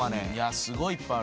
すごいいっぱいある。